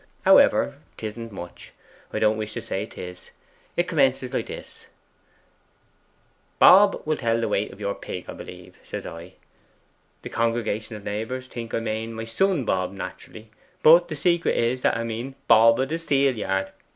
'However, 'tisn't much I don't wish to say it is. It commences like this: "Bob will tell the weight of your pig, 'a b'lieve," says I. The congregation of neighbours think I mane my son Bob, naturally; but the secret is that I mane the bob o' the steelyard.